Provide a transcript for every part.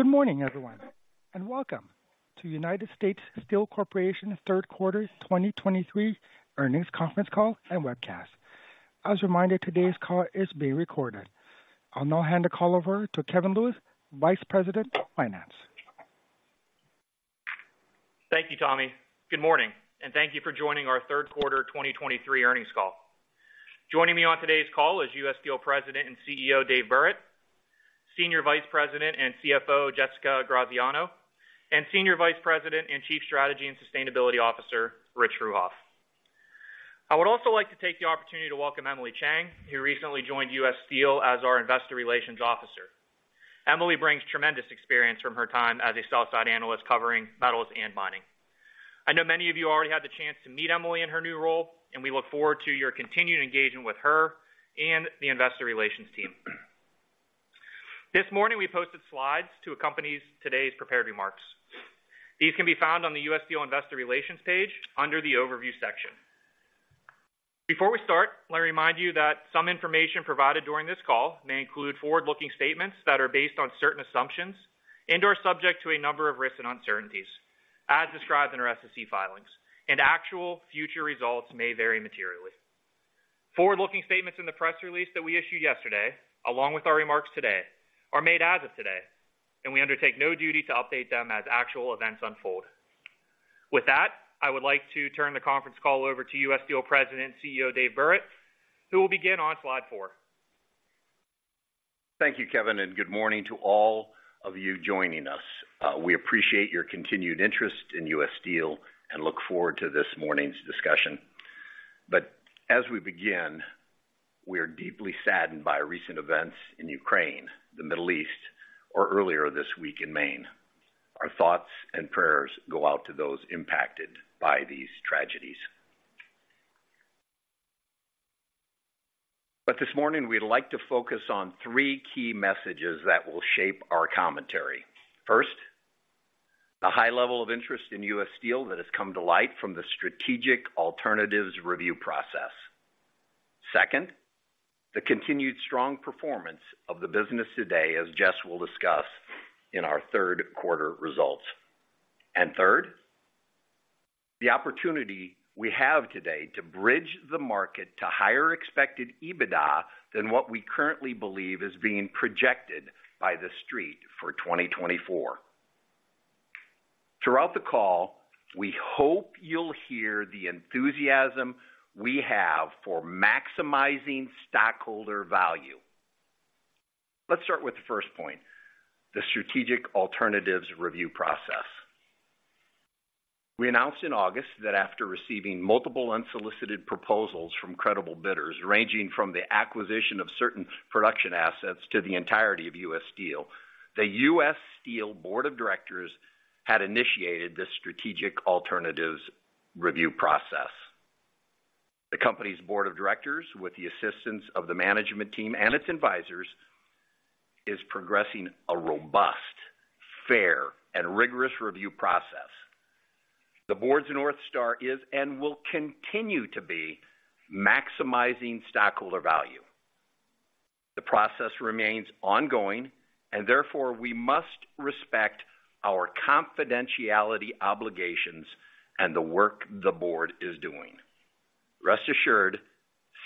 Good morning, everyone, and welcome to United States Steel Corporation Third Quarter 2023 Earnings Conference Call and Webcast. As a reminder, today's call is being recorded. I'll now hand the call over to Kevin Lewis, Vice President, Finance. Thank you, Tommy. Good morning, and thank you for joining our third quarter 2023 earnings call. Joining me on today's call is US Steel President and CEO, Dave Burritt, Senior Vice President and CFO, Jessica Graziano, and Senior Vice President and Chief Strategy and Sustainability Officer, Rich Fruehauf. I would also like to take the opportunity to welcome Emily Chieng, who recently joined US Steel as our Investor Relations Officer. Emily brings tremendous experience from her time as a sell-side analyst covering metals and mining. I know many of you already had the chance to meet Emily in her new role, and we look forward to your continued engagement with her and the investor relations team. This morning, we posted slides to accompany today's prepared remarks. These can be found on the US Steel investor relations page under the overview section. Before we start, let me remind you that some information provided during this call may include forward-looking statements that are based on certain assumptions and are subject to a number of risks and uncertainties, as described in our SEC filings, and actual future results may vary materially. Forward-looking statements in the press release that we issued yesterday, along with our remarks today, are made as of today, and we undertake no duty to update them as actual events unfold. With that, I would like to turn the conference call over to US Steel President and CEO, Dave Burritt, who will begin on Slide 4. Thank you, Kevin, and good morning to all of you joining us. We appreciate your continued interest in US Steel and look forward to this morning's discussion. But as we begin, we are deeply saddened by recent events in Ukraine, the Middle East, or earlier this week in Maine. Our thoughts and prayers go out to those impacted by these tragedies. But this morning, we'd like to focus on three key messages that will shape our commentary. First, the high level of interest in US Steel that has come to light from the strategic alternatives review process. Second, the continued strong performance of the business today, as Jess will discuss in our third quarter results. And third, the opportunity we have today to bridge the market to higher expected EBITDA than what we currently believe is being projected by the Street for 2024. Throughout the call, we hope you'll hear the enthusiasm we have for maximizing stockholder value. Let's start with the first point, the strategic alternatives review process. We announced in August that after receiving multiple unsolicited proposals from credible bidders, ranging from the acquisition of certain production assets to the entirety of US Steel, the US Steel Board of Directors had initiated this strategic alternatives review process. The company's Board of Directors, with the assistance of the management team and its advisors, is progressing a robust, fair, and rigorous review process. The board's North Star is and will continue to be maximizing stockholder value. The process remains ongoing and therefore, we must respect our confidentiality obligations and the work the board is doing. Rest assured,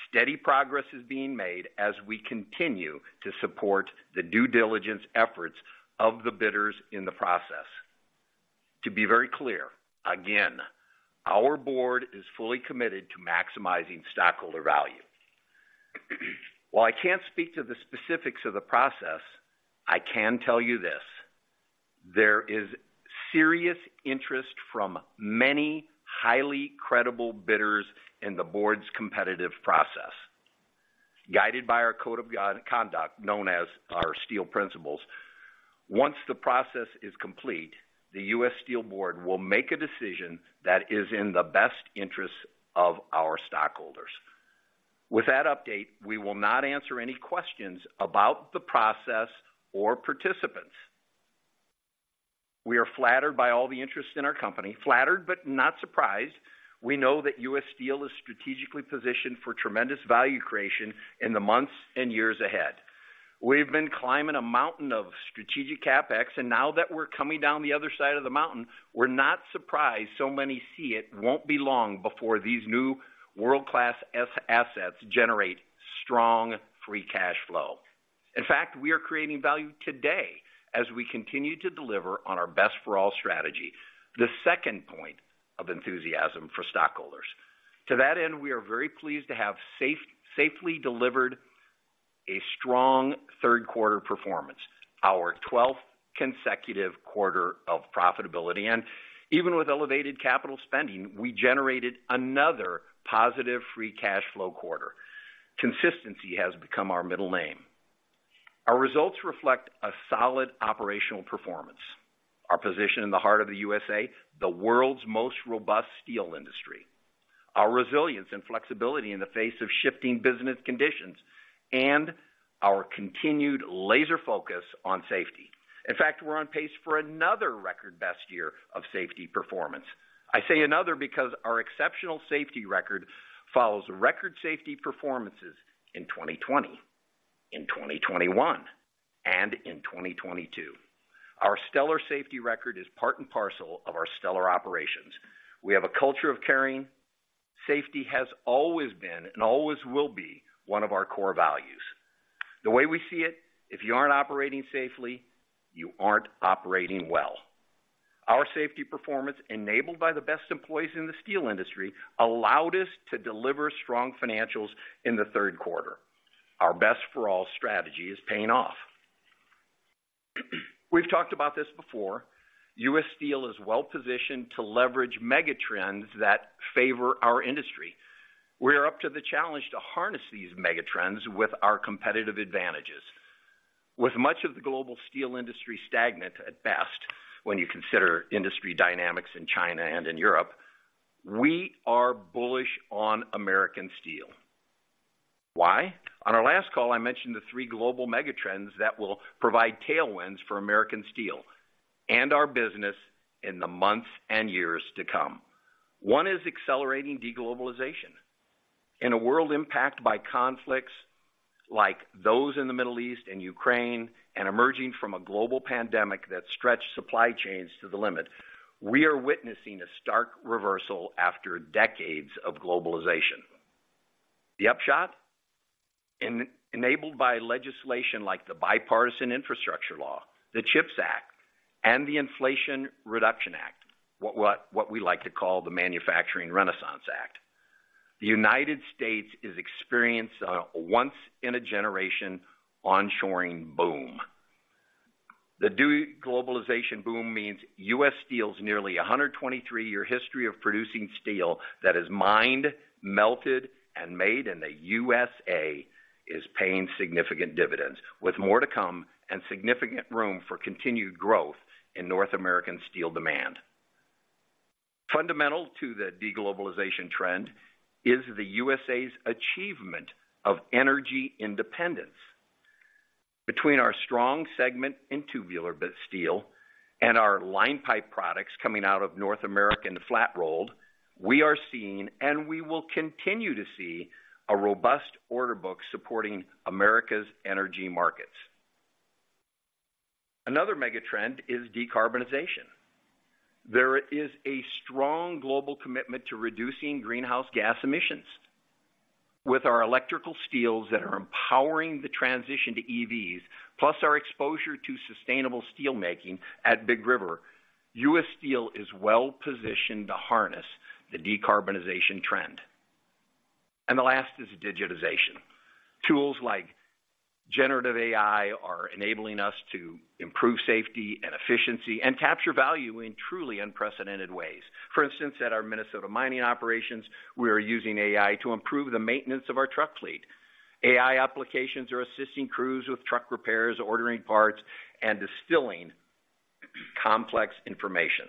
steady progress is being made as we continue to support the due diligence efforts of the bidders in the process. To be very clear, again, our board is fully committed to maximizing stockholder value. While I can't speak to the specifics of the process, I can tell you this: there is serious interest from many highly credible bidders in the board's competitive process. Guided by our code of good conduct, known as our Steel Principles, once the process is complete, the US Steel Board will make a decision that is in the best interest of our stockholders. With that update, we will not answer any questions about the process or participants. We are flattered by all the interest in our company. Flattered, but not surprised. We know that US Steel is strategically positioned for tremendous value creation in the months and years ahead. We've been climbing a mountain of strategic CapEx, and now that we're coming down the other side of the mountain, we're not surprised so many see it won't be long before these new world-class assets generate strong, free cash flow. In fact, we are creating value today as we continue to deliver on our Best for All strategy, the second point of enthusiasm for stockholders. To that end, we are very pleased to have safely delivered a strong third quarter performance, our twelfth consecutive quarter of profitability, and even with elevated capital spending, we generated another positive free cash flow quarter. Consistency has become our middle name. Our results reflect a solid operational performance. Our position in the heart of the USA, the world's most robust steel industry, our resilience and flexibility in the face of shifting business conditions, and our continued laser focus on safety. In fact, we're on pace for another record best year of safety performance. I say another because our exceptional safety record follows record safety performances in 2021 and in 2022. Our stellar safety record is part and parcel of our stellar operations. We have a culture of caring. Safety has always been and always will be one of our core values. The way we see it, if you aren't operating safely, you aren't operating well. Our safety performance, enabled by the best employees in the steel industry, allowed us to deliver strong financials in the third quarter. Our Best for All strategy is paying off. We've talked about this before. US Steel is well-positioned to leverage mega trends that favor our industry. We are up to the challenge to harness these mega trends with our competitive advantages. With much of the global steel industry stagnant at best, when you consider industry dynamics in China and in Europe, we are bullish on American steel. Why? On our last call, I mentioned the three global mega trends that will provide tailwinds for American steel and our business in the months and years to come. One is accelerating de-globalization. In a world impacted by conflicts like those in the Middle East and Ukraine, and emerging from a global pandemic that stretched supply chains to the limit, we are witnessing a stark reversal after decades of globalization. The upshot? Enabled by legislation like the Bipartisan Infrastructure Law, the CHIPS Act, and the Inflation Reduction Act, what we like to call the Manufacturing Renaissance Act. The United States is experiencing a once-in-a-generation onshoring boom. The de-globalization boom means US Steel's nearly 123-year history of producing steel that is mined, melted, and made in the USA is paying significant dividends, with more to come and significant room for continued growth in North American steel demand. Fundamental to the de-globalization trend is the USA's achievement of energy independence. Between our strong segment in Tubular steel and our line pipe products coming out of North American Flat-Rolled, we are seeing, and we will continue to see, a robust order book supporting America's energy markets. Another mega trend is decarbonization. There is a strong global commitment to reducing greenhouse gas emissions. With our electrical steels that are empowering the transition to EVs, plus our exposure to sustainable steelmaking at Big River, US Steel is well positioned to harness the decarbonization trend. The last is digitization. Tools like Generative AI are enabling us to improve safety and efficiency and capture value in truly unprecedented ways. For instance, at our Minnesota mining operations, we are using AI to improve the maintenance of our truck fleet. AI applications are assisting crews with truck repairs, ordering parts, and distilling complex information.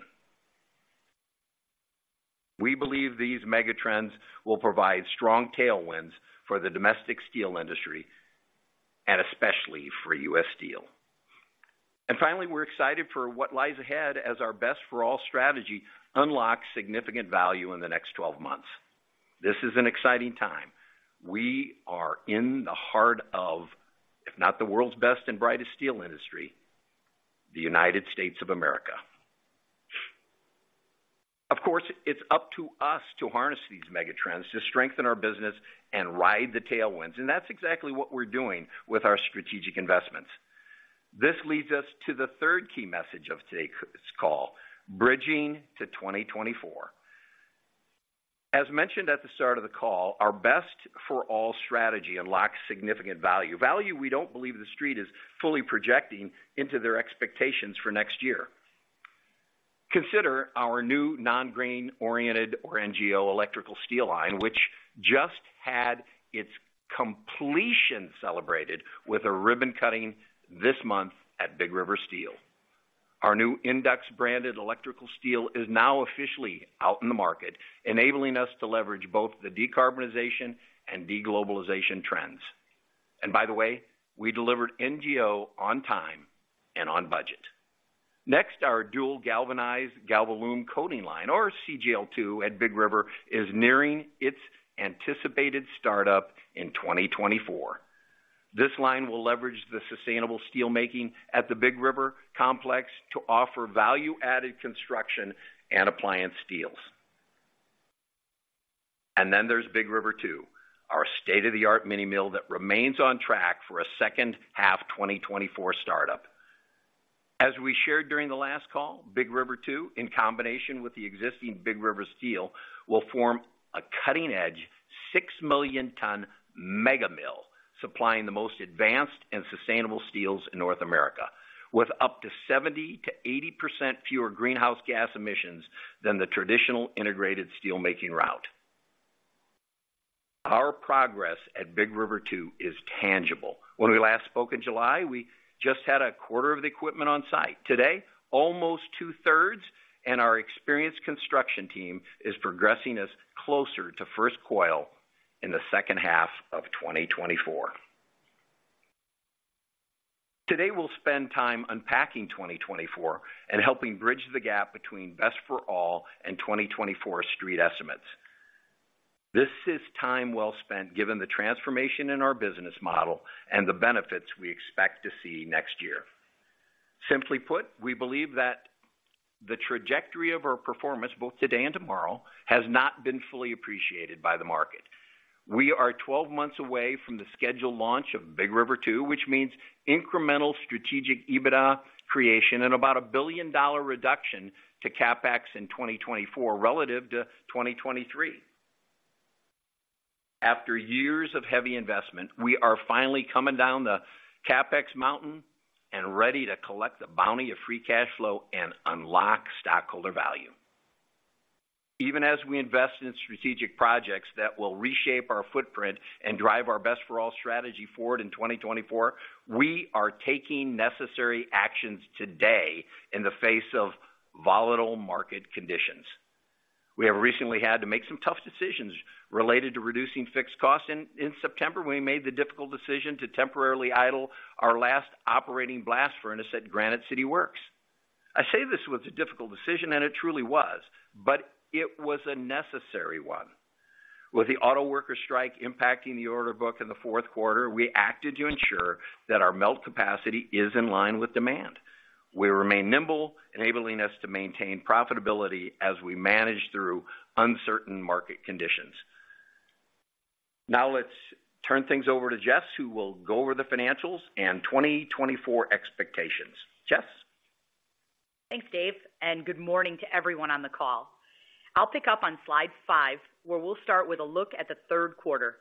We believe these mega trends will provide strong tailwinds for the domestic steel industry and especially for US Steel. Finally, we're excited for what lies ahead as our Best for All strategy unlocks significant value in the next 12 months. This is an exciting time. We are in the heart of, if not the world's best and brightest steel industry, the United States of America. Of course, it's up to us to harness these mega trends, to strengthen our business and ride the tailwinds, and that's exactly what we're doing with our strategic investments. This leads us to the third key message of today's call, Bridging to 2024. As mentioned at the start of the call, our Best for All strategy unlocks significant value. Value we don't believe the Street is fully projecting into their expectations for next year. Consider our new non-grain oriented or NGO electrical steel line, which just had its completion celebrated with a ribbon cutting this month at Big River Steel. Our new InduX-branded electrical steel is now officially out in the market, enabling us to leverage both the decarbonization and de-globalization trends. And by the way, we delivered NGO on time and on budget. Next, our dual galvanized Galvalume coating line, or CGL-2 at Big River, is nearing its anticipated startup in 2024. This line will leverage the sustainable steelmaking at the Big River complex to offer value-added construction and appliance steels. And then there's Big River 2, our state-of-the-art mini mill that remains on track for a second half 2024 startup. As we shared during the last call, Big River 2, in combination with the existing Big River Steel, will form a cutting-edge, 6 million ton mega mill, supplying the most advanced and sustainable steels in North America, with up to 70%-80% fewer greenhouse gas emissions than the traditional integrated steelmaking route. Our progress at Big River 2 is tangible. When we last spoke in July, we just had a quarter of the equipment on site. Today, almost two-thirds, and our experienced construction team is progressing us closer to first coil in the second half of 2024.... Today, we'll spend time unpacking 2024 and helping bridge the gap between Best for All and 2024 Street estimates. This is time well spent, given the transformation in our business model and the benefits we expect to see next year. Simply put, we believe that the trajectory of our performance, both today and tomorrow, has not been fully appreciated by the market. We are 12 months away from the scheduled launch of Big River 2, which means incremental strategic EBITDA creation and about a $1 billion reduction to CapEx in 2024 relative to 2023. After years of heavy investment, we are finally coming down the CapEx mountain and ready to collect the bounty of free cash flow and unlock stockholder value. Even as we invest in strategic projects that will reshape our footprint and drive our Best for All strategy forward in 2024, we are taking necessary actions today in the face of volatile market conditions. We have recently had to make some tough decisions related to reducing fixed costs. In September, we made the difficult decision to temporarily idle our last operating blast furnace at Granite City Works. I say this was a difficult decision, and it truly was, but it was a necessary one. With the auto worker strike impacting the order book in the fourth quarter, we acted to ensure that our melt capacity is in line with demand. We remain nimble, enabling us to maintain profitability as we manage through uncertain market conditions. Now, let's turn things over to Jess, who will go over the financials and 2024 expectations. Jess? Thanks, Dave, and good morning to everyone on the call. I'll pick up on Slide 5, where we'll start with a look at the third quarter.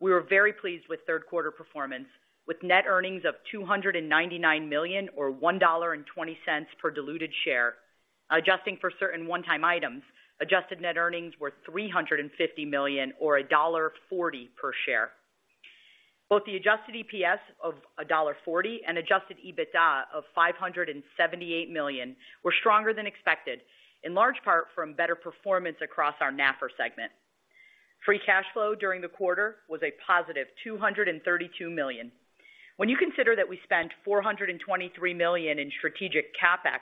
We were very pleased with third quarter performance, with net earnings of $299 million, or $1.20 per diluted share. Adjusting for certain one-time items, Adjusted Net Earnings were $350 million or $1.40 per share. Both the Adjusted EPS of $1.40 and adjusted EBITDA of $578 million were stronger than expected, in large part from better performance across our NAFR segment. Free cash flow during the quarter was a positive $232 million. When you consider that we spent $423 million in strategic CapEx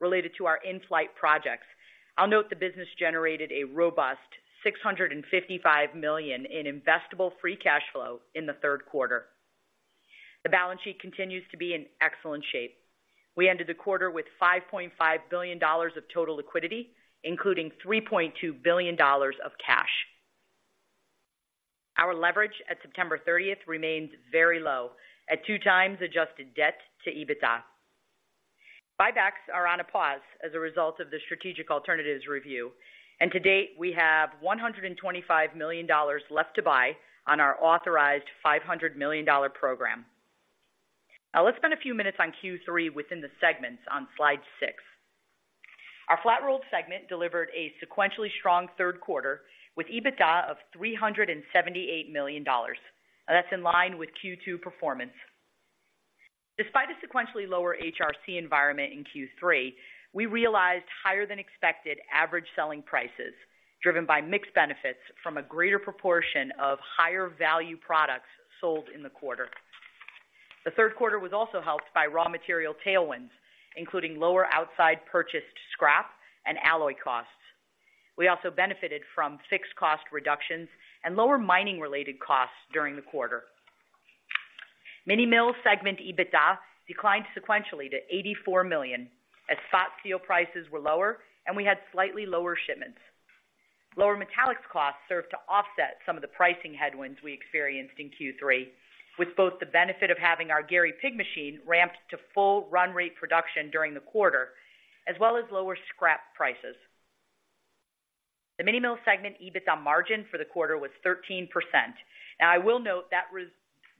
related to our in-flight projects, I'll note the business generated a robust $655 million in investable free cash flow in the third quarter. The balance sheet continues to be in excellent shape. We ended the quarter with $5.5 billion of total liquidity, including $3.2 billion of cash. Our leverage at September 30th remains very low, at 2x Adjusted debt to EBITDA. Buybacks are on a pause as a result of the strategic alternatives review, and to date, we have $125 million left to buy on our authorized $500 million program. Now, let's spend a few minutes on Q3 within the segments on Slide 6. Our Flat-Rolled segment delivered a sequentially strong third quarter, with EBITDA of $378 million. Now, that's in line with Q2 performance. Despite a sequentially lower HRC environment in Q3, we realized higher-than-expected average selling prices, driven by mixed benefits from a greater proportion of higher-value products sold in the quarter. The third quarter was also helped by raw material tailwinds, including lower outside purchased scrap and alloy costs. We also benefited from fixed cost reductions and lower mining-related costs during the quarter. Mini Mills segment EBITDA declined sequentially to $84 million, as spot steel prices were lower and we had slightly lower shipments. Lower metallics costs served to offset some of the pricing headwinds we experienced in Q3, with both the benefit of having our Gary pig machine ramped to full run rate production during the quarter, as well as lower scrap prices. The Mini Mill segment EBITDA margin for the quarter was 13%. Now, I will note that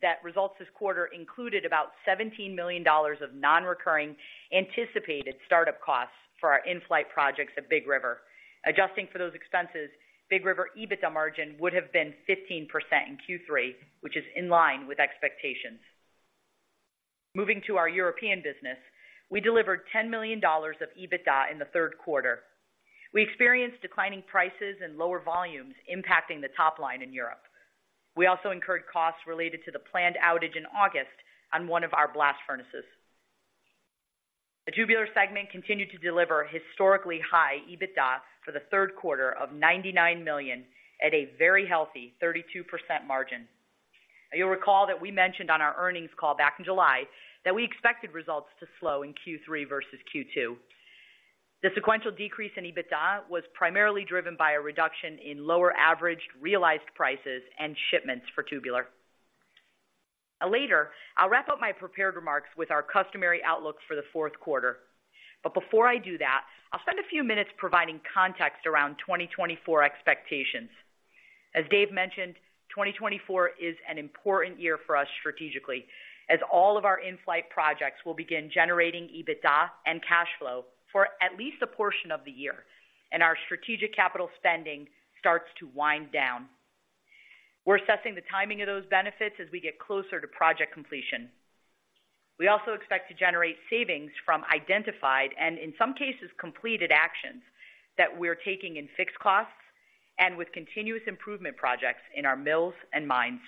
that results this quarter included about $17 million of non-recurring, anticipated startup costs for our in-flight projects at Big River. Adjusting for those expenses, Big River EBITDA margin would have been 15% in Q3, which is in line with expectations. Moving to our European business, we delivered $10 million of EBITDA in the third quarter. We experienced declining prices and lower volumes impacting the top line in Europe. We also incurred costs related to the planned outage in August on one of our blast furnaces. The Tubular segment continued to deliver historically high EBITDA for the third quarter of $99 million at a very healthy 32% margin. You'll recall that we mentioned on our earnings call back in July that we expected results to slow in Q3 versus Q2. The sequential decrease in EBITDA was primarily driven by a reduction in lower average realized prices and shipments for Tubular. Later, I'll wrap up my prepared remarks with our customary outlook for the fourth quarter. But before I do that, I'll spend a few minutes providing context around 2024 expectations. As Dave mentioned, 2024 is an important year for us strategically, as all of our in-flight projects will begin generating EBITDA and cash flow for at least a portion of the year, and our strategic capital spending starts to wind down. We're assessing the timing of those benefits as we get closer to project completion. We also expect to generate savings from identified and, in some cases, completed actions that we're taking in fixed costs,... with continuous improvement projects in our mills and mines.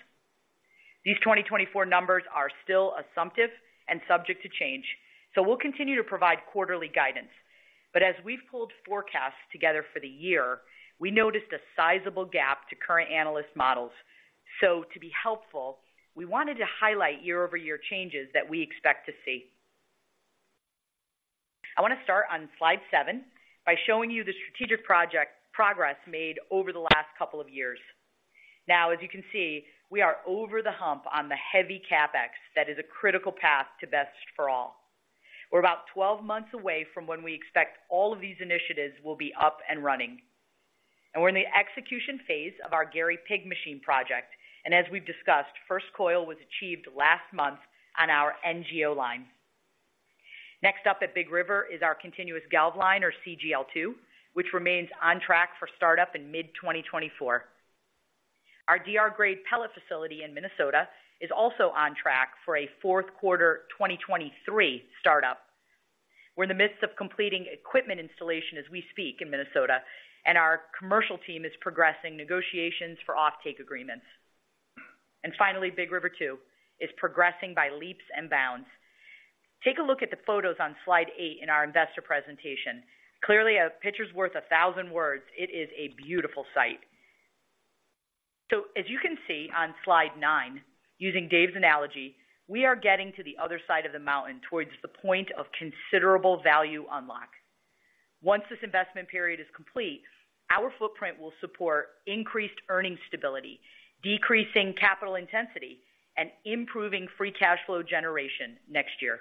These 2024 numbers are still assumptive and subject to change, so we'll continue to provide quarterly guidance. As we've pulled forecasts together for the year, we noticed a sizable gap to current analyst models. To be helpful, we wanted to highlight year-over-year changes that we expect to see. I want to start on Slide 7 by showing you the strategic project progress made over the last couple of years. Now, as you can see, we are over the hump on the heavy CapEx that is a critical path to Best for All. We're about 12 months away from when we expect all of these initiatives will be up and running, and we're in the execution phase of our Gary pig machine project. As we've discussed, first coil was achieved last month on our NGO line. Next up at Big River is our continuous galv line, or CGL-2, which remains on track for startup in mid-2024. Our DR grade pellet facility in Minnesota is also on track for a fourth quarter 2023 startup. We're in the midst of completing equipment installation as we speak in Minnesota, and our commercial team is progressing negotiations for offtake agreements. And finally, Big River 2 is progressing by leaps and bounds. Take a look at the photos on Slide 8 in our investor presentation. Clearly, a picture's worth a thousand words. It is a beautiful site. So as you can see on Slide 9, using Dave's analogy, we are getting to the other side of the mountain towards the point of considerable value unlock. Once this investment period is complete, our footprint will support increased earning stability, decreasing capital intensity, and improving free cash flow generation next year.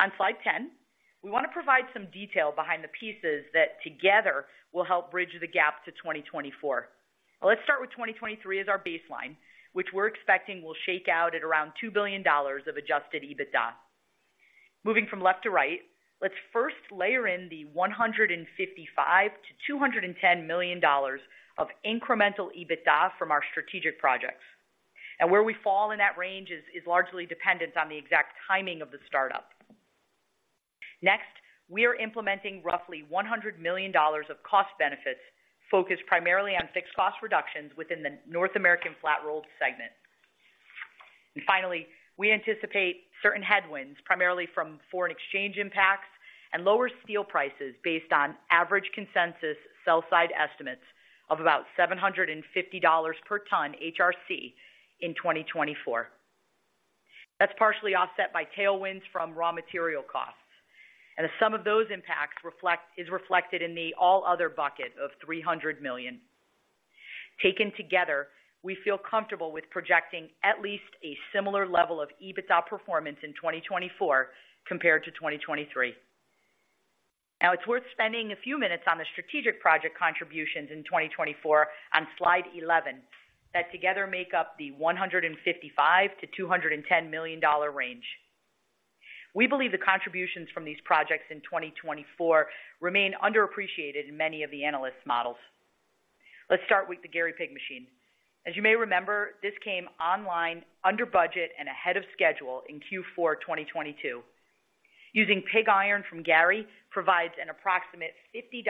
On Slide 10, we want to provide some detail behind the pieces that together will help bridge the gap to 2024. Let's start with 2023 as our baseline, which we're expecting will shake out at around $2 billion of adjusted EBITDA. Moving from left to right, let's first layer in the $155 million-$210 million of incremental EBITDA from our strategic projects. And where we fall in that range is largely dependent on the exact timing of the startup. Next, we are implementing roughly $100 million of cost benefits, focused primarily on fixed cost reductions within the North American Flat-Rolled segment. And finally, we anticipate certain headwinds, primarily from foreign exchange impacts and lower steel prices based on average consensus sell-side estimates of about $750 per ton HRC in 2024. That's partially offset by tailwinds from raw material costs, and the sum of those impacts is reflected in the all other bucket of $300 million. Taken together, we feel comfortable with projecting at least a similar level of EBITDA performance in 2024 compared to 2023. Now, it's worth spending a few minutes on the strategic project contributions in 2024 on Slide 11, that together make up the $155 million-$210 million range. We believe the contributions from these projects in 2024 remain underappreciated in many of the analyst models. Let's start with the Gary pig machine. As you may remember, this came online, under budget, and ahead of schedule in Q4 2022. Using pig iron from Gary, provides an approximate $50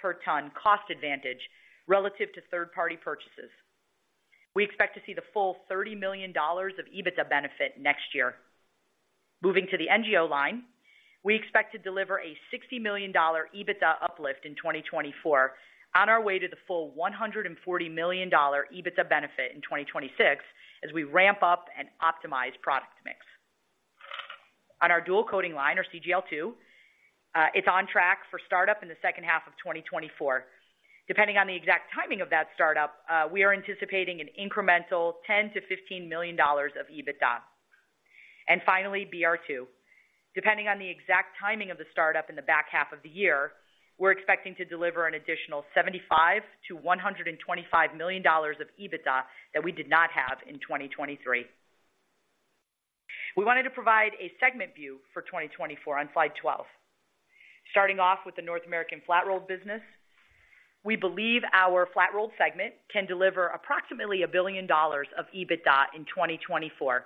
per ton cost advantage relative to third-party purchases. We expect to see the full $30 million of EBITDA benefit next year. Moving to the NGO line, we expect to deliver a $60 million EBITDA uplift in 2024 on our way to the full $140 million EBITDA benefit in 2026 as we ramp up and optimize product mix. On our dual coating line or CGL-2, it's on track for startup in the second half of 2024. Depending on the exact timing of that startup, we are anticipating an incremental $10 million-$15 million of EBITDA. And finally, BR2. Depending on the exact timing of the startup in the back half of the year, we're expecting to deliver an additional $75 million-$125 million of EBITDA that we did not have in 2023. We wanted to provide a segment view for 2024 on Slide 12. Starting off with the North American Flat-Rolled business, we believe our Flat-Rolled segment can deliver approximately $1 billion of EBITDA in 2024. Now,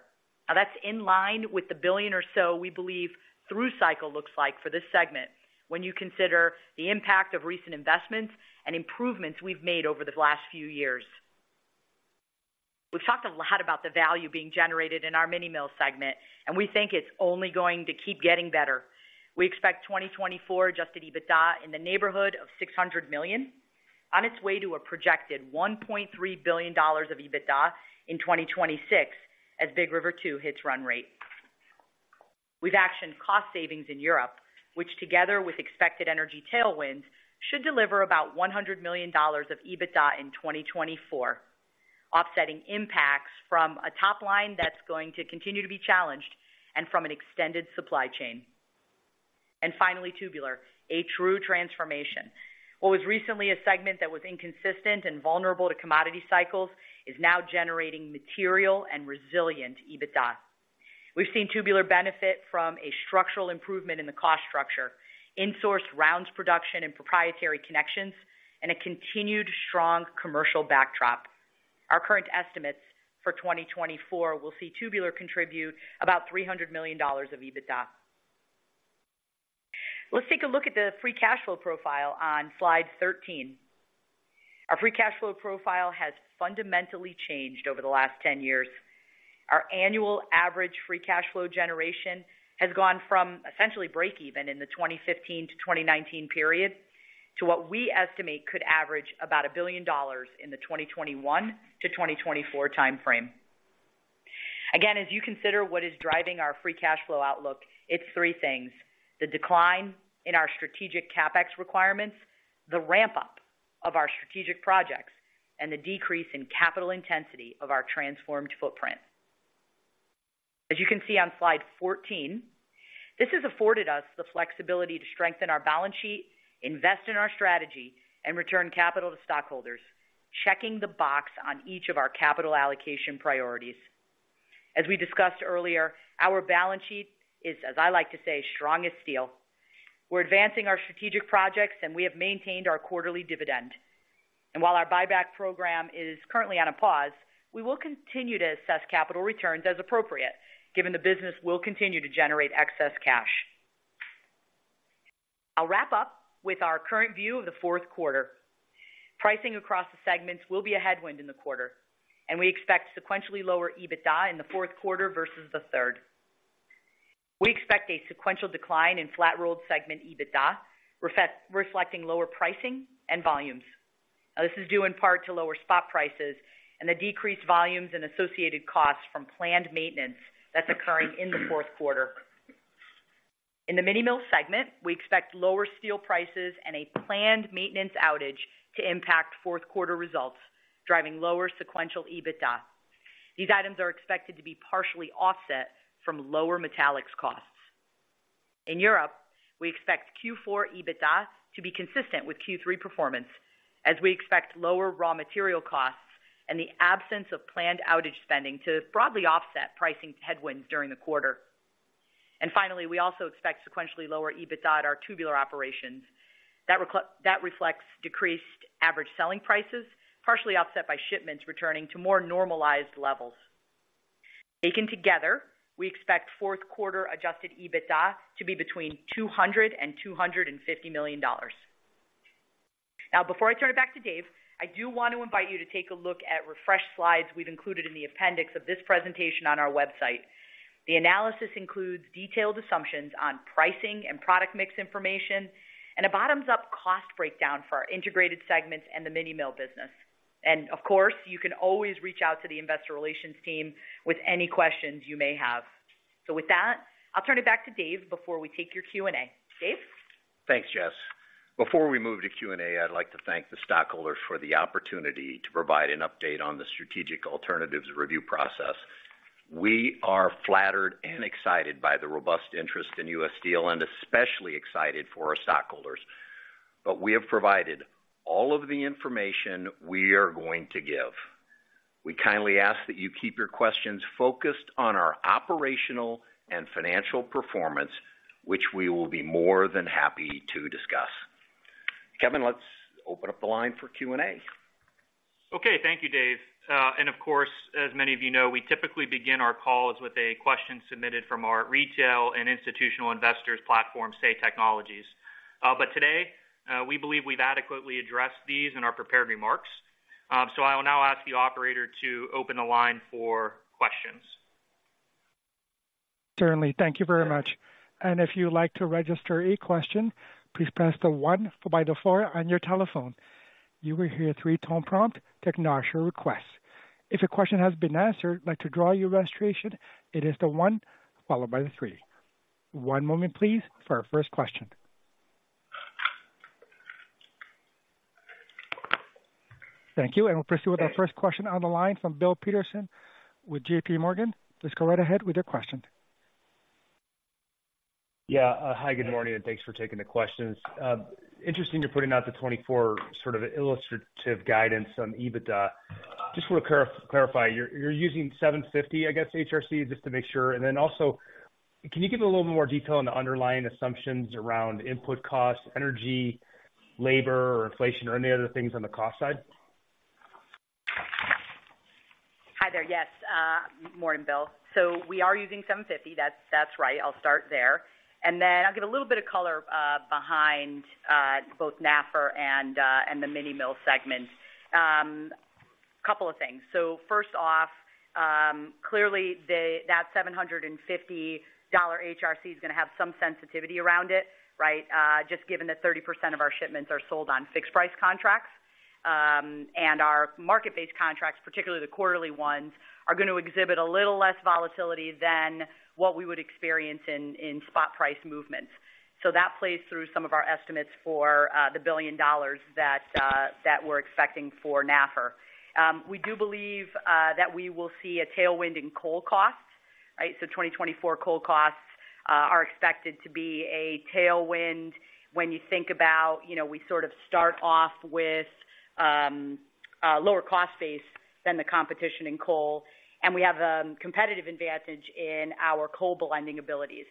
that's in line with the $1 billion or so we believe through cycle looks like for this segment, when you consider the impact of recent investments and improvements we've made over the last few years. We've talked a lot about the value being generated in our Mini Mill segment, and we think it's only going to keep getting better. We expect 2024 adjusted EBITDA in the neighborhood of $600 million, on its way to a projected $1.3 billion of EBITDA in 2026, as Big River 2 hits run rate. We've actioned cost savings in Europe, which together with expected energy tailwinds, should deliver about $100 million of EBITDA in 2024, offsetting impacts from a top line that's going to continue to be challenged and from an extended supply chain. And finally, Tubular, a true transformation. What was recently a segment that was inconsistent and vulnerable to commodity cycles, is now generating material and resilient EBITDA. We've seen Tubular benefit from a structural improvement in the cost structure, insourced rounds production and proprietary connections, and a continued strong commercial backdrop. Our current estimates for 2024 will see Tubular contribute about $300 million of EBITDA. Let's take a look at the free cash flow profile on Slide 13. Our free cash flow profile has fundamentally changed over the last 10 years. Our annual average free cash flow generation has gone from essentially breakeven in the 2015-2019 period, to what we estimate could average about $1 billion in the 2021-2024 time frame. Again, as you consider what is driving our free cash flow outlook, it's three things: the decline in our strategic CapEx requirements, the ramp-up of our strategic projects, and the decrease in capital intensity of our transformed footprint. As you can see on Slide 14, this has afforded us the flexibility to strengthen our balance sheet, invest in our strategy, and return capital to stockholders, checking the box on each of our capital allocation priorities. As we discussed earlier, our balance sheet is, as I like to say, strong as steel. We're advancing our strategic projects, and we have maintained our quarterly dividend. While our buyback program is currently on a pause, we will continue to assess capital returns as appropriate, given the business will continue to generate excess cash. I'll wrap up with our current view of the fourth quarter. Pricing across the segments will be a headwind in the quarter, and we expect sequentially lower EBITDA in the fourth quarter versus the third. We expect a sequential decline in Flat-Rolled segment EBITDA, reflecting lower pricing and volumes. Now, this is due in part to lower spot prices and the decreased volumes and associated costs from planned maintenance that's occurring in the fourth quarter. In the Mini Mill segment, we expect lower steel prices and a planned maintenance outage to impact fourth-quarter results, driving lower sequential EBITDA. These items are expected to be partially offset from lower metallics costs. In Europe, we expect Q4 EBITDA to be consistent with Q3 performance, as we expect lower raw material costs and the absence of planned outage spending to broadly offset pricing headwinds during the quarter. And finally, we also expect sequentially lower EBITDA at our Tubular operations. That reflects decreased average selling prices, partially offset by shipments returning to more normalized levels. Taken together, we expect fourth quarter adjusted EBITDA to be between $200 million and $250 million. Now, before I turn it back to Dave, I do want to invite you to take a look at refreshed slides we've included in the appendix of this presentation on our website. The analysis includes detailed assumptions on pricing and product mix information, and a bottoms-up cost breakdown for our integrated segments and the mini mill business. Of course, you can always reach out to the investor relations team with any questions you may have. With that, I'll turn it back to Dave before we take your Q&A. Dave? Thanks, Jess. Before we move to Q&A, I'd like to thank the stockholders for the opportunity to provide an update on the strategic alternatives review process. We are flattered and excited by the robust interest in US Steel and especially excited for our stockholders. But we have provided all of the information we are going to give. We kindly ask that you keep your questions focused on our operational and financial performance, which we will be more than happy to discuss. Kevin, let's open up the line for Q&A. Okay, thank you, Dave. And of course, as many of you know, we typically begin our calls with a question submitted from our retail and institutional investors platform, Say Technologies. But today, we believe we've adequately addressed these in our prepared remarks. So I will now ask the operator to open the line for questions. Certainly. Thank you very much. And if you'd like to register a question, please press the one by the four on your telephone. You will hear a three-tone prompt to acknowledge your request. If your question has been answered, to withdraw your registration, it is the one followed by the three. One moment, please, for our first question. Thank you, and we'll proceed with our first question on the line from Bill Peterson with JPMorgan. Please go right ahead with your question. Yeah. Hi, good morning, and thanks for taking the questions. Interesting, you're putting out the 2024 sort of illustrative guidance on EBITDA. Just want to clarify, you're using 750, I guess, HRC, just to make sure. And then also, can you give a little more detail on the underlying assumptions around input costs, energy, labor, or inflation, or any other things on the cost side? Hi there. Yes, morning, Bill. So we are using 750. That's right. I'll start there, and then I'll give a little bit of color behind both NAFR and the mini mill segment. Couple of things. So first off, clearly, that $750 HRC is gonna have some sensitivity around it, right? Just given that 30% of our shipments are sold on fixed price contracts. And our market-based contracts, particularly the quarterly ones, are gonna exhibit a little less volatility than what we would experience in spot price movements. So that plays through some of our estimates for the $1 billion that we're expecting for NAFR. We do believe that we will see a tailwind in coal costs, right? So 2024 coal costs are expected to be a tailwind when you think about, you know, we sort of start off with lower cost base than the competition in coal, and we have a competitive advantage in our coal blending abilities,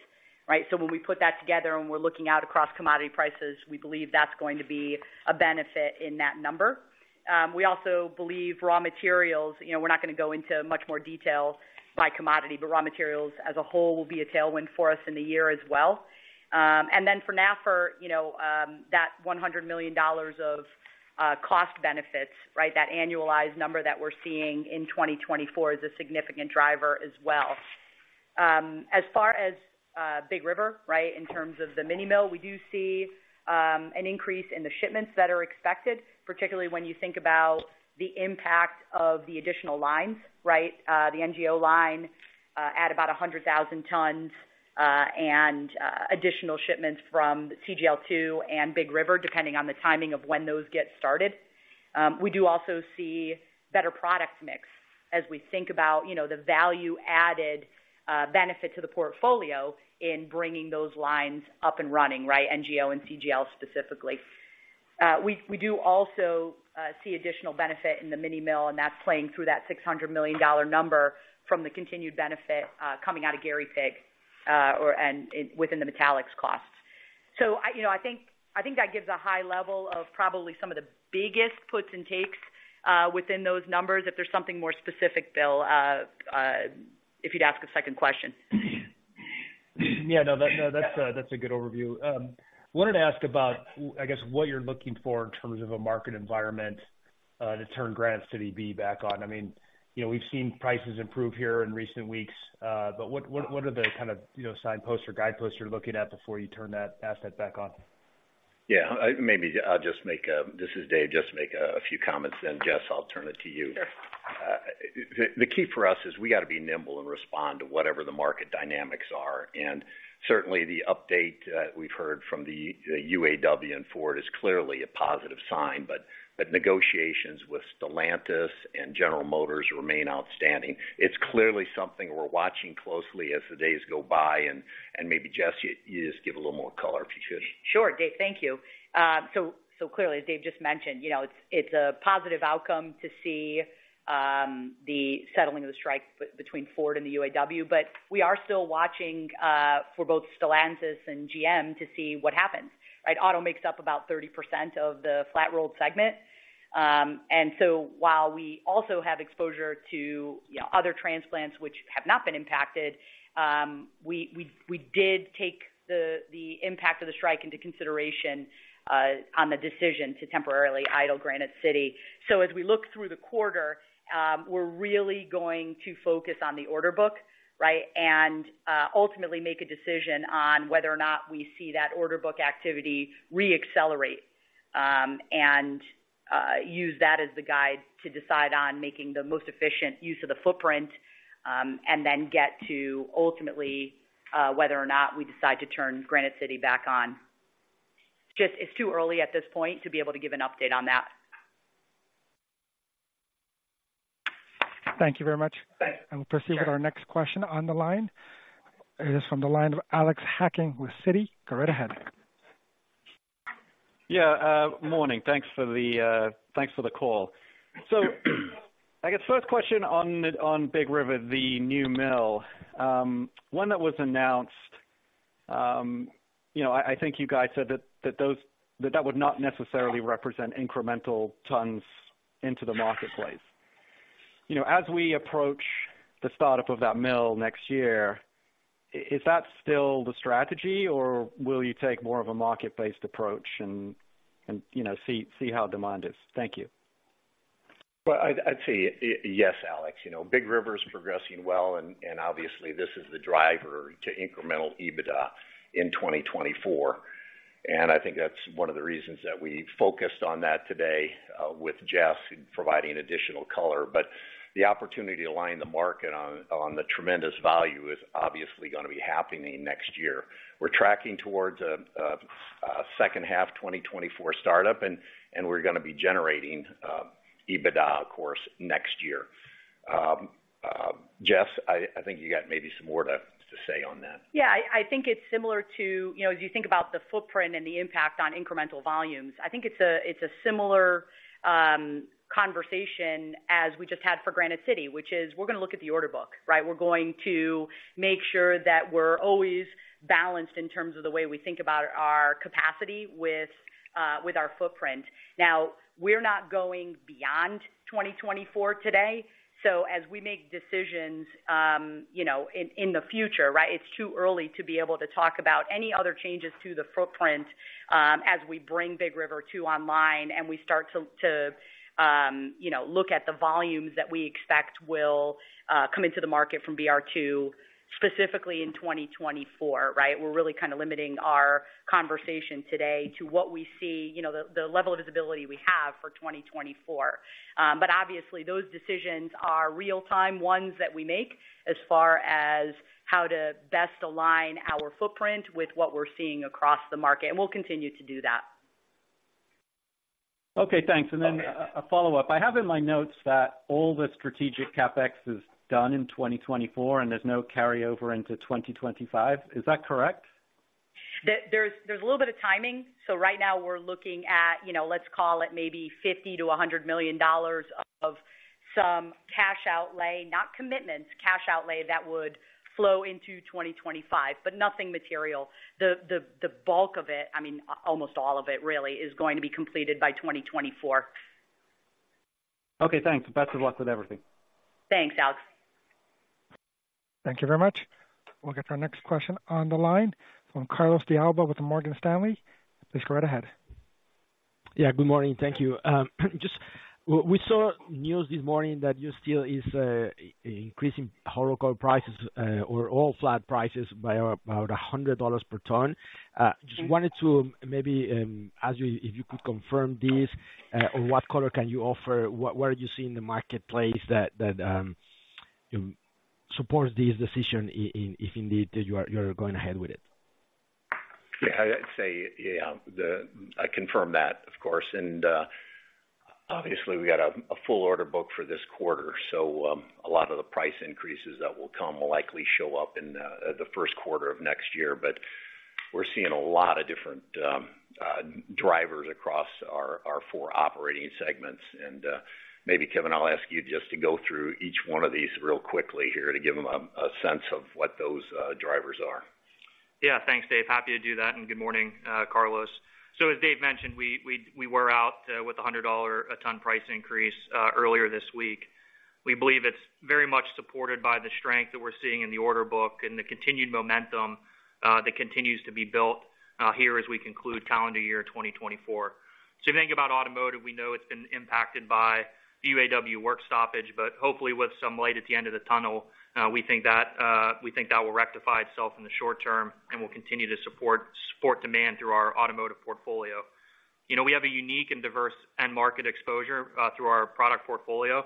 right? So when we put that together and we're looking out across commodity prices, we believe that's going to be a benefit in that number. We also believe raw materials, you know, we're not gonna go into much more detail by commodity, but raw materials as a whole will be a tailwind for us in the year as well. And then for NAFR, you know, that $100 million of cost benefits, right? That annualized number that we're seeing in 2024 is a significant driver as well. As far as Big River, right, in terms of the mini mill, we do see an increase in the shipments that are expected, particularly when you think about the impact of the additional lines, right? The NGO line at about 100,000 tons, and additional shipments from CGL-2 and Big River, depending on the timing of when those get started. We do also see better product mix as we think about, you know, the value-added benefit to the portfolio in bringing those lines up and running, right, NGO and CGL specifically. We do also see additional benefit in the mini mill, and that's playing through that $600 million number from the continued benefit coming out of Gary pig, or, and within the metallics costs. So, you know, I think, I think that gives a high level of probably some of the biggest puts and takes within those numbers. If there's something more specific, Bill, if you'd ask a second question. Yeah, no, that's a good overview. Wanted to ask about, I guess, what you're looking for in terms of a market environment to turn Granite City B back on. I mean, you know, we've seen prices improve here in recent weeks, but what are the kind of, you know, signposts or guideposts you're looking at before you turn that asset back on? Yeah, maybe I'll just make a—this is Dave, just make a few comments, then Jess, I'll turn it to you. Sure. The key for us is we got to be nimble and respond to whatever the market dynamics are. And certainly, the update we've heard from the UAW and Ford is clearly a positive sign, but negotiations with Stellantis and General Motors remain outstanding. It's clearly something we're watching closely as the days go by. And maybe, Jess, you just give a little more color, if you could. Sure, Dave. Thank you. So clearly, as Dave just mentioned, you know, it's a positive outcome to see the settling of the strike between Ford and the UAW, but we are still watching for both Stellantis and GM to see what happens, right? Auto makes up about 30% of the Flat-Rolled segment. And so while we also have exposure to, you know, other transplants which have not been impacted, we did take the impact of the strike into consideration on the decision to temporarily idle Granite City. So as we look through the quarter, we're really going to focus on the order book, right? Ultimately make a decision on whether or not we see that order book activity reaccelerate, and use that as the guide to decide on making the most efficient use of the footprint, and then get to ultimately whether or not we decide to turn Granite City back on. Just, it's too early at this point to be able to give an update on that. Thank you very much. Thanks. I will proceed with our next question on the line. It is from the line of Alex Hacking with Citi. Go right ahead. Yeah, morning. Thanks for the call. So I guess first question on Big River, the new mill. When that was announced, you know, I think you guys said that that would not necessarily represent incremental tons into the marketplace. You know, as we approach the startup of that mill next year, is that still the strategy, or will you take more of a market-based approach and, you know, see how demand is? Thank you. Well, I'd say yes, Alex. You know, Big River is progressing well, and obviously, this is the driver to incremental EBITDA in 2024. And I think that's one of the reasons that we focused on that today, with Jess providing additional color. But the opportunity to align the market on the tremendous value is obviously gonna be happening next year. We're tracking towards a second half 2024 startup, and we're gonna be generating EBITDA, of course, next year. Jess, I think you got maybe some more to say on that. Yeah, I think it's similar to... You know, as you think about the footprint and the impact on incremental volumes, I think it's a similar conversation as we just had for Granite City, which is we're gonna look at the order book, right? We're going to make sure that we're always balanced in terms of the way we think about our capacity with our footprint. Now, we're not going beyond 2024 today, so as we make decisions, you know, in the future, right, it's too early to be able to talk about any other changes to the footprint, as we bring Big River 2 online and we start to, you know, look at the volumes that we expect will come into the market from BR2, specifically in 2024, right? We're really kind of limiting our conversation today to what we see, you know, the level of visibility we have for 2024. But obviously, those decisions are real-time ones that we make as far as how to best align our footprint with what we're seeing across the market, and we'll continue to do that. Okay, thanks. Okay. And then a follow-up. I have in my notes that all the Strategic CapEx is done in 2024, and there's no carryover into 2025. Is that correct? There’s a little bit of timing. So right now we’re looking at, you know, let’s call it maybe $50 million-$100 million of some cash outlay, not commitments, cash outlay that would flow into 2025, but nothing material. The bulk of it, I mean, almost all of it, really, is going to be completed by 2024. Okay, thanks. Best of luck with everything. Thanks, Alex. Thank you very much. We'll get our next question on the line from Carlos de Alba with Morgan Stanley. Please go right ahead. Yeah, good morning. Thank you. Just we saw news this morning that US Steel is increasing hot-rolled coil prices, or all flat prices by about $100 per ton. Just wanted to maybe ask you if you could confirm this, or what color can you offer? What are you seeing in the marketplace that supports this decision, if indeed you are going ahead with it? Yeah, I'd say, yeah, I confirm that, of course. And obviously, we had a full order book for this quarter, so a lot of the price increases that will come will likely show up in the first quarter of next year. But we're seeing a lot of different drivers across our four operating segments. And maybe, Kevin, I'll ask you just to go through each one of these real quickly here to give them a sense of what those drivers are. Yeah. Thanks, Dave. Happy to do that, and good morning, Carlos. So as Dave mentioned, we were out with a $100 a ton price increase earlier this week. We believe it's very much supported by the strength that we're seeing in the order book and the continued momentum that continues to be built here as we conclude calendar year 2024. So if you think about automotive, we know it's been impacted by UAW work stoppage, but hopefully with some light at the end of the tunnel, we think that will rectify itself in the short term and will continue to support demand through our automotive portfolio. You know, we have a unique and diverse end market exposure through our product portfolio,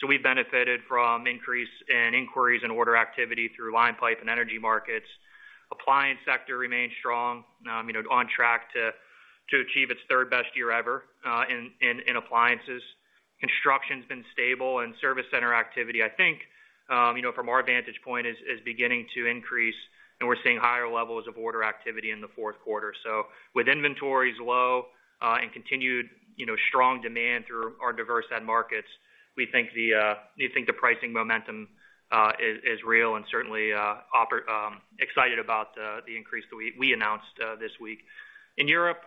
so we benefited from increase in inquiries and order activity through line pipe and energy markets. Appliance sector remains strong, you know, on track to achieve its third best year ever in appliances. Construction's been stable, and service center activity, I think, you know, from our vantage point, is beginning to increase, and we're seeing higher levels of order activity in the fourth quarter. So with inventories low and continued, you know, strong demand through our diverse end markets, we think the pricing momentum is real and certainly excited about the increase that we announced this week. In Europe,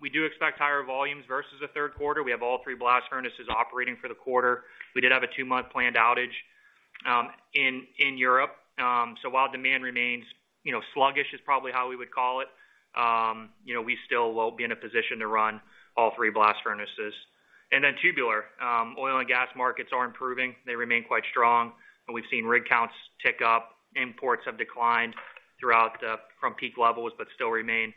we do expect higher volumes versus the third quarter. We have all three blast furnaces operating for the quarter. We did have a two-month planned outage in Europe. So while demand remains, you know, sluggish, is probably how we would call it, you know, we still will be in a position to run all three blast furnaces. And then Tubular. Oil and gas markets are improving. They remain quite strong, and we've seen rig counts tick up. Imports have declined throughout from peak levels, but still remain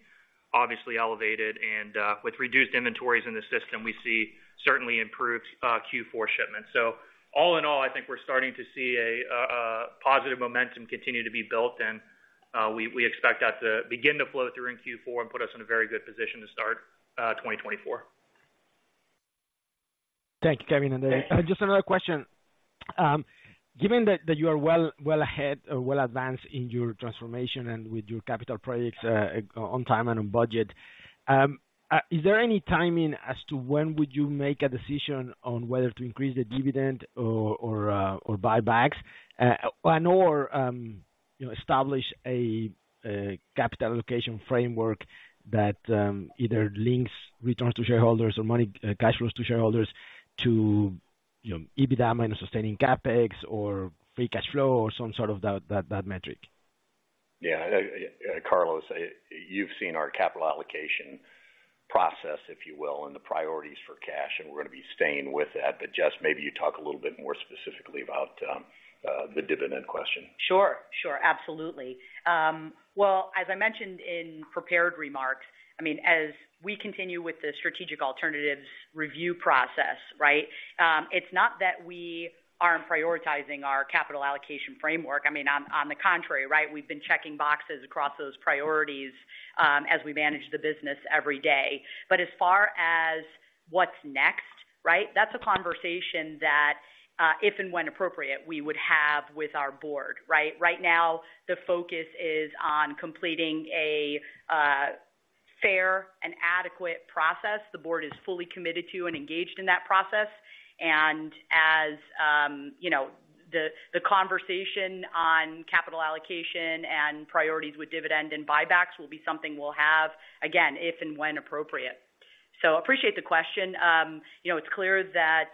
obviously elevated, and with reduced inventories in the system, we see certainly improved Q4 shipments. So all in all, I think we're starting to see a positive momentum continue to be built, and we expect that to begin to flow through in Q4 and put us in a very good position to start 2024. Thank you, Kevin. Thanks. Just another question. Given that you are well ahead or well advanced in your transformation and with your capital projects on time and on budget, is there any timing as to when would you make a decision on whether to increase the dividend or or buybacks? And or, you know, establish a capital allocation framework that either links returns to shareholders or money- cash flows to shareholders to, you know, EBITDA minus sustaining CapEx or free cash flow, or some sort of that metric. Yeah, Carlos, you've seen our capital allocation process, if you will, and the priorities for cash, and we're going to be staying with that. But Jess, maybe you talk a little bit more specifically about the dividend question. Sure, sure. Absolutely. Well, as I mentioned in prepared remarks, I mean, as we continue with the strategic alternatives review process, right? It's not that we aren't prioritizing our capital allocation framework. I mean, on the contrary, right? We've been checking boxes across those priorities, as we manage the business every day. But as far as what's next, right? That's a conversation that, if and when appropriate, we would have with our board, right? Right now, the focus is on completing a fair and adequate process. The board is fully committed to and engaged in that process. And as you know, the conversation on capital allocation and priorities with dividend and buybacks will be something we'll have, again, if and when appropriate. So appreciate the question. You know, it's clear that,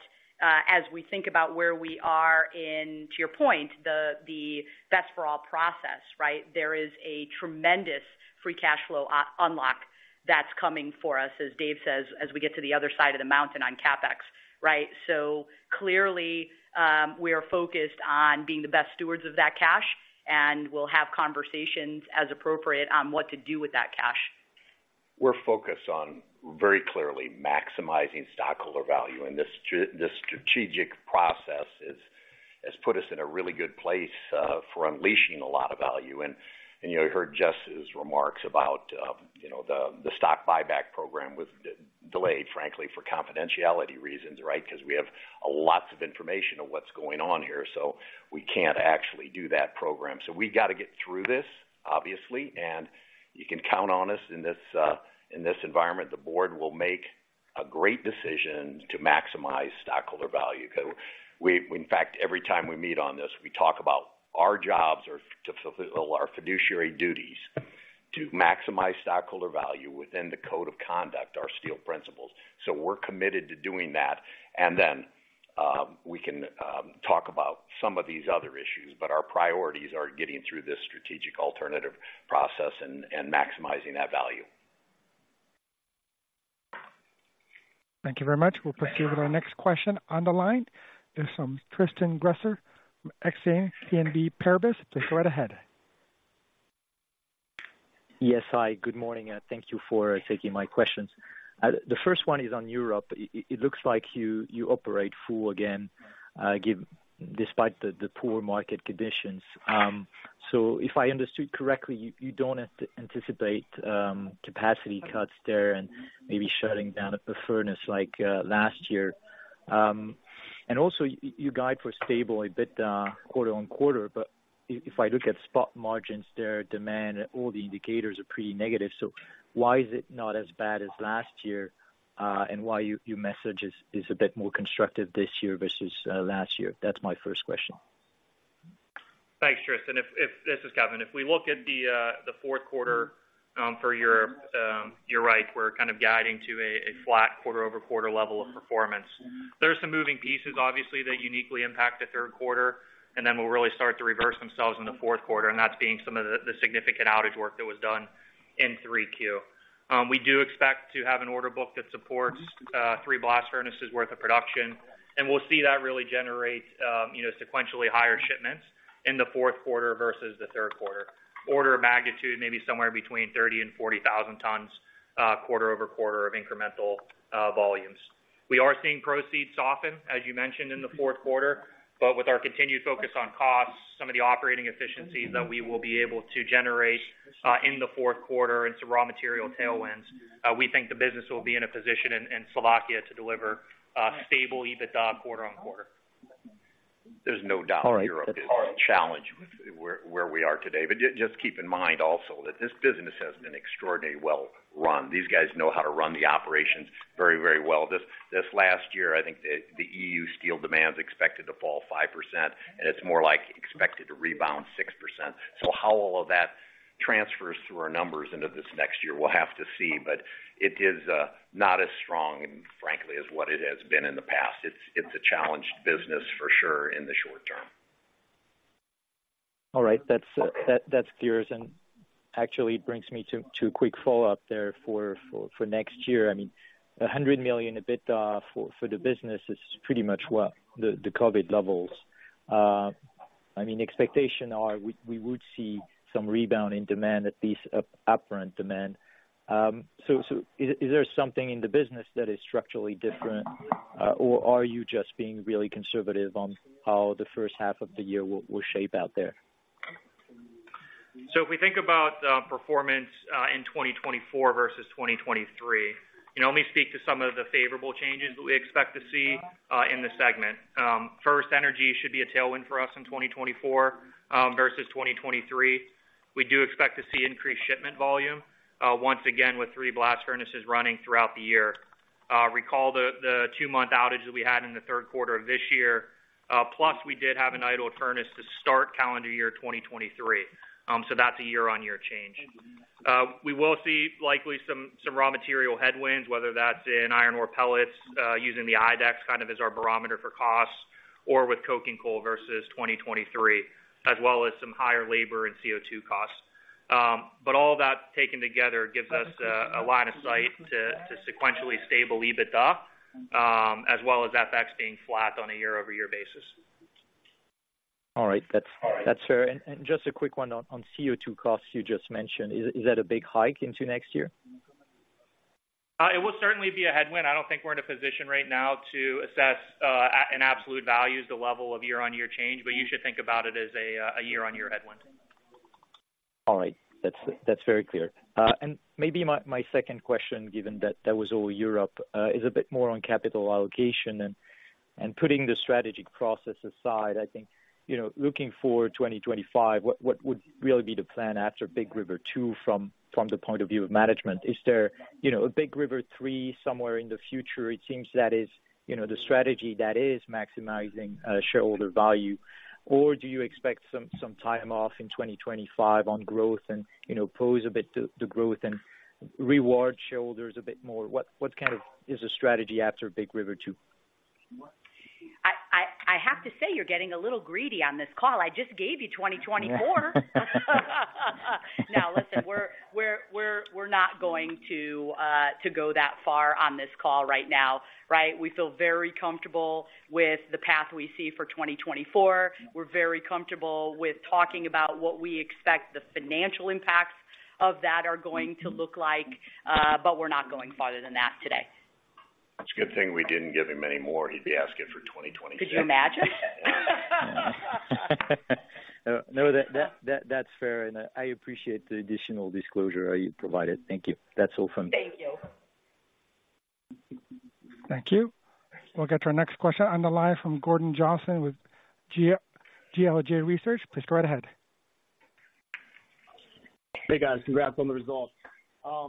as we think about where we are in, to your point, the Best for All process, right? There is a tremendous free cash flow unlock that's coming for us, as Dave says, as we get to the other side of the mountain on CapEx, right? So clearly, we are focused on being the best stewards of that cash, and we'll have conversations as appropriate on what to do with that cash. We're focused on very clearly maximizing stockholder value, and this strategic process has put us in a really good place for unleashing a lot of value. And you heard Jess's remarks about, you know, the stock buyback program was delayed, frankly, for confidentiality reasons, right? Because we have a lot of information on what's going on here, so we can't actually do that program. So we've got to get through this, obviously, and you can count on us in this environment. The board will make a great decision to maximize stockholder value. Because in fact, every time we meet on this, we talk about our jobs are to fulfill our fiduciary duties, to maximize stockholder value within the code of conduct, our Steel Principles. So we're committed to doing that, and then, we can talk about some of these other issues, but our priorities are getting through this strategic alternative process and, and maximizing that value. Thank you very much. We'll proceed with our next question on the line. This is from Tristan Gresser from Exane BNP Paribas. Please go right ahead. Yes, hi, good morning, and thank you for taking my questions. The first one is on Europe. It looks like you operate full again despite the poor market conditions. So if I understood correctly, you don't anticipate capacity cuts there and maybe shutting down a furnace like last year. And also, you guide for stable EBITDA quarter-on-quarter, but if I look at spot margins there, demand, all the indicators are pretty negative. So why is it not as bad as last year? And why your message is a bit more constructive this year versus last year? That's my first question. Thanks, Tristan. This is Kevin. If we look at the fourth quarter for Europe, you're right, we're kind of guiding to a flat quarter-over-quarter level of performance. There are some moving pieces, obviously, that uniquely impact the third quarter, and then will really start to reverse themselves in the fourth quarter, and that's being some of the significant outage work that was done in 3Q. We do expect to have an order book that supports 3 blast furnaces worth of production, and we'll see that really generate, you know, sequentially higher shipments in the fourth quarter versus the third quarter. Order of magnitude, maybe somewhere between 30,000 and 40,000 tons quarter-over-quarter of incremental volumes. We are seeing proceeds soften, as you mentioned, in the fourth quarter, but with our continued focus on costs, some of the operating efficiencies that we will be able to generate, in the fourth quarter and some raw material tailwinds, we think the business will be in a position in, in Slovakia to deliver, stable EBITDA quarter on quarter. There's no doubt Europe is a challenge with where we are today. But just keep in mind also, that this business has been extraordinarily well run. These guys know how to run the operations very, very well. This last year, I think the EU steel demand is expected to fall 5%, and it's more like expected to rebound 6%. So how all of that transfers through our numbers into this next year, we'll have to see, but it is not as strong, frankly, as what it has been in the past. It's a challenged business for sure in the short term. All right. That's clear, and actually brings me to a quick follow-up there for next year. I mean, $100 million EBITDA for the business is pretty much what the COVID levels. I mean, expectations are we would see some rebound in demand, at least upfront demand. So, is there something in the business that is structurally different, or are you just being really conservative on how the first half of the year will shape out there? So if we think about performance in 2024 versus 2023, you know, let me speak to some of the favorable changes that we expect to see in the segment. First, energy should be a tailwind for us in 2024 versus 2023. We do expect to see increased shipment volume once again with three blast furnaces running throughout the year. Recall the two-month outage that we had in the third quarter of this year, plus we did have an idled furnace to start calendar year 2023. So that's a year-on-year change. We will see likely some raw material headwinds, whether that's in iron ore pellets using the IODEX kind of as our barometer for costs or with coking coal versus 2023, as well as some higher labor and CO2 costs. But all that taken together gives us a line of sight to sequentially stable EBITDA, as well as FX being flat on a year-over-year basis. All right. That's fair. And just a quick one on CO2 costs you just mentioned. Is that a big hike into next year? It will certainly be a headwind. I don't think we're in a position right now to assess an absolute value as the level of year-on-year change, but you should think about it as a year-on-year headwind. All right. That's, that's very clear. And maybe my, my second question, given that that was all Europe, is a bit more on capital allocation and, and putting the strategic process aside, I think, you know, looking for 2025, what, what would really be the plan after Big River 2 from, from the point of view of management? Is there, you know, a Big River 3 somewhere in the future? It seems that is, you know, the strategy that is maximizing shareholder value. Or do you expect some, some time off in 2025 on growth and, you know, pause a bit to, to growth and reward shareholders a bit more? What, what kind of is the strategy after Big River 2? I have to say, you're getting a little greedy on this call. I just gave you 2024. Now, listen, we're not going to go that far on this call right now, right? We feel very comfortable with the path we see for 2024. We're very comfortable with talking about what we expect the financial impacts of that are going to look like, but we're not going farther than that today. It's a good thing we didn't give him any more. He'd be asking for 2026. Could you imagine? No, that's fair, and I appreciate the additional disclosure you provided. Thank you. That's all from me. Thank you. Thank you. We'll get to our next question on the line from Gordon Johnson with GLJ Research. Please go right ahead. Hey, guys, congrats on the results.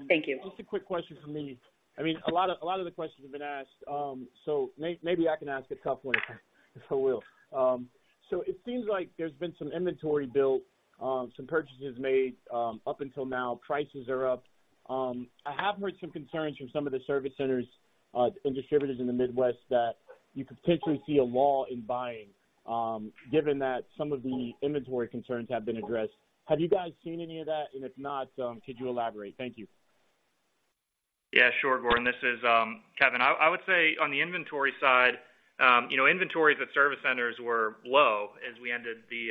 Thank you. Just a quick question from me. I mean, a lot of, a lot of the questions have been asked, so maybe I can ask a tough one, so I will. So it seems like there's been some inventory built, some purchases made, up until now. Prices are up. I have heard some concerns from some of the service centers and distributors in the Midwest that you could potentially see a lull in buying, given that some of the inventory concerns have been addressed. Have you guys seen any of that? And if not, could you elaborate? Thank you. Yeah, sure, Gordon, this is Kevin. I would say on the inventory side, you know, inventories at service centers were low as we ended the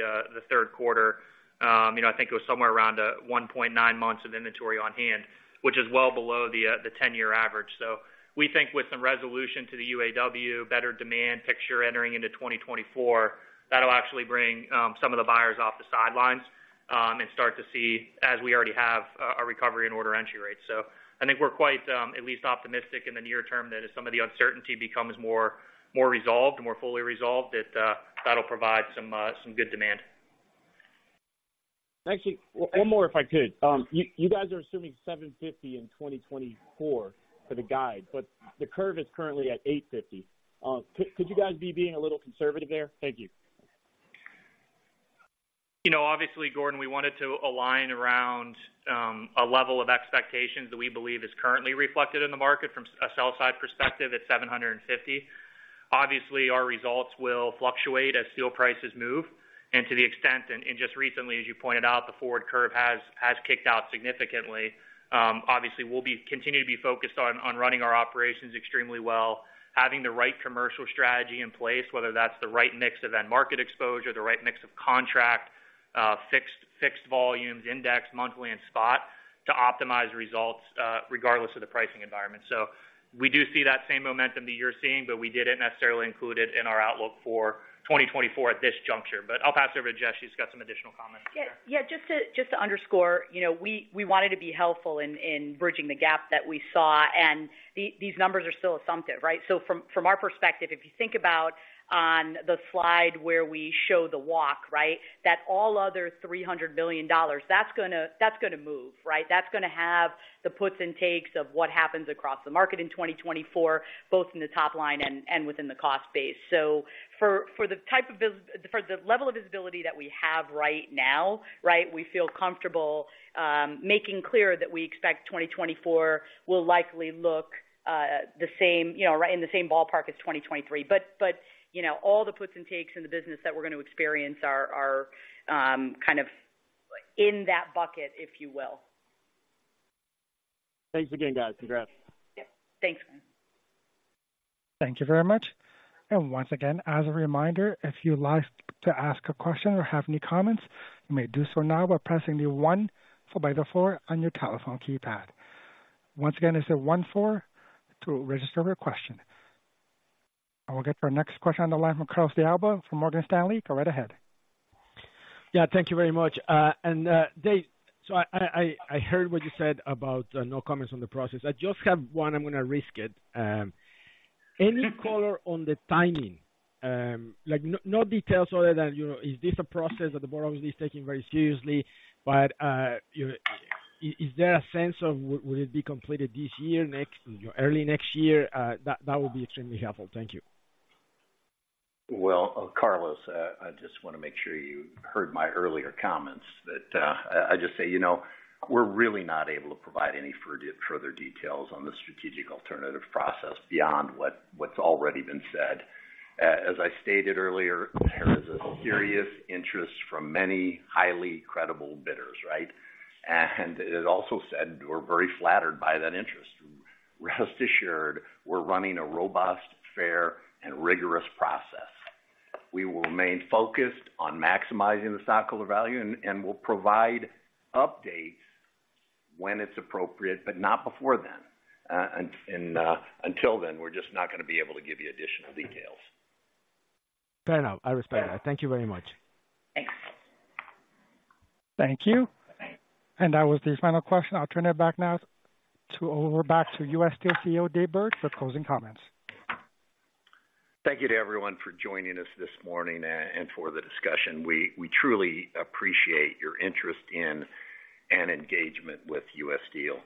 third quarter. You know, I think it was somewhere around 1.9 months of inventory on hand, which is well below the 10-year average. So we think with some resolution to the UAW, better demand picture entering into 2024, that'll actually bring some of the buyers off the sidelines and start to see, as we already have, a recovery in order entry rates. So I think we're quite at least optimistic in the near term, that as some of the uncertainty becomes more, more resolved, more fully resolved, that that'll provide some some good demand. Actually, one more, if I could. You guys are assuming $750 in 2024 for the guide, but the curve is currently at $850. Could you guys be being a little conservative there? Thank you. You know, obviously, Gordon, we wanted to align around a level of expectations that we believe is currently reflected in the market from a sell-side perspective at $750. Obviously, our results will fluctuate as steel prices move. And to the extent and just recently, as you pointed out, the forward curve has kicked out significantly. Obviously, we'll continue to be focused on running our operations extremely well, having the right commercial strategy in place, whether that's the right mix of end market exposure, the right mix of contract fixed volumes, index, monthly, and spot, to optimize results regardless of the pricing environment. So we do see that same momentum that you're seeing, but we didn't necessarily include it in our outlook for 2024 at this juncture. But I'll pass it over to Jessie. She's got some additional comments. Yeah. Yeah, just to underscore, you know, we wanted to be helpful in bridging the gap that we saw, and these numbers are still assumptive, right? So from our perspective, if you think about on the slide where we show the walk, right? That all other $300 billion, that's gonna move, right? That's gonna have the puts and takes of what happens across the market in 2024, both in the top line and within the cost base. So for the level of visibility that we have right now, right, we feel comfortable making clear that we expect 2024 will likely look the same, you know, right in the same ballpark as 2023. But, you know, all the puts and takes in the business that we're going to experience are kind of in that bucket, if you will. Thanks again, guys. Congrats. Yeah, thanks. Thank you very much. And once again, as a reminder, if you'd like to ask a question or have any comments, you may do so now by pressing the one followed by the four on your telephone keypad. Once again, it's a one four to register your question. I will get our next question on the line from Carlos de Alba from Morgan Stanley. Go right ahead. Yeah, thank you very much. Dave, so I heard what you said about no comments on the process. I just have one. I'm gonna risk it. Any color on the timing? Like, no details other than, you know, is this a process that the board obviously is taking very seriously, but you know, is there a sense of will it be completed this year, next, you know, early next year? That would be extremely helpful. Thank you. Well, Carlos, I just want to make sure you heard my earlier comments, that, I just say, you know, we're really not able to provide any further details on the strategic alternative process beyond what, what's already been said. As I stated earlier, there is a serious interest from many highly credible bidders, right? And it also said, we're very flattered by that interest. Rest assured, we're running a robust, fair, and rigorous process. We will remain focused on maximizing the stockholder value, and we'll provide updates when it's appropriate, but not before then. Until then, we're just not gonna be able to give you additional details. Fair enough. I respect that. Thank you very much. Thanks. Thank you. Thanks. That was the final question. I'll turn it back over to US Steel CEO, Dave Burritt, for closing comments. Thank you to everyone for joining us this morning, and for the discussion. We, we truly appreciate your interest in and engagement with US Steel.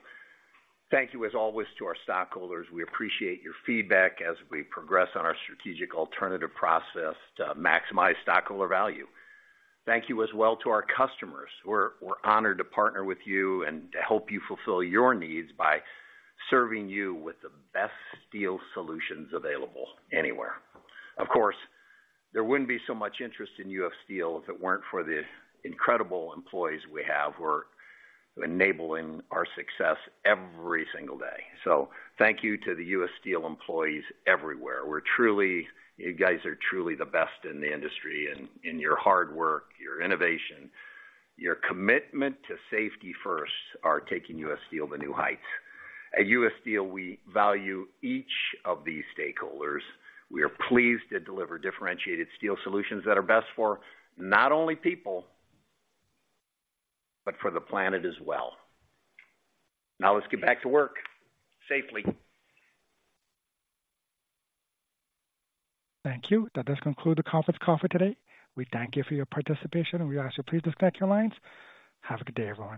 Thank you as always to our stockholders. We appreciate your feedback as we progress on our strategic alternative process to maximize stockholder value. Thank you as well to our customers. We're, we're honored to partner with you and to help you fulfill your needs by serving you with the best steel solutions available anywhere. Of course, there wouldn't be so much interest in US Steel if it weren't for the incredible employees we have, who are enabling our success every single day. So thank you to the US Steel employees everywhere. You guys are truly the best in the industry, and in your hard work, your innovation, your commitment to safety first, are taking U.S. Steel to new heights. At US Steel, we value each of these stakeholders. We are pleased to deliver differentiated steel solutions that are best for not only people, but for the planet as well. Now, let's get back to work, safely. Thank you. That does conclude the conference call for today. We thank you for your participation, and we ask you please disconnect your lines. Have a good day, everyone.